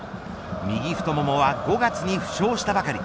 右太ももは５月に負傷したばかり。